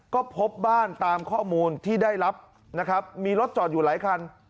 ก็พบบ้านตามข้อมูลที่ได้รับนะครับมีรถจอดอยู่หลายคัน